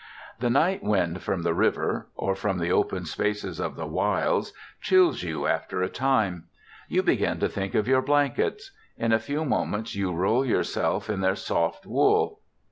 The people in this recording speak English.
The night wind from the river, or from the open spaces of the wilds, chills you after a time. You begin to think of your blankets. In a few moments you roll yourself in their soft wool.